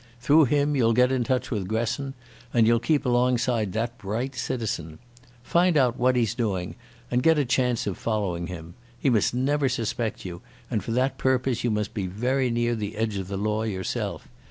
Through him you'll get in touch with Gresson, and you'll keep alongside that bright citizen. Find out what he is doing, and get a chance of following him. He must never suspect you, and for that purpose you must be very near the edge of the law yourself.